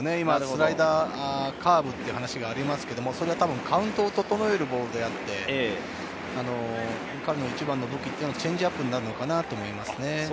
スライダーとカーブはカウントを整えるボールであって、彼の一番の武器はチェンジアップになるのかなと思います。